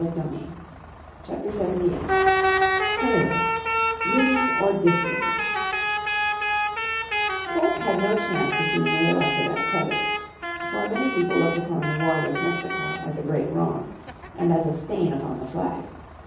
__________ Chapter 78 Taylor Union or Disunion Polk had no chance of being re elected as President. For many people looked upon the war with Mexico as a great wrong, and as a stain upon the flag.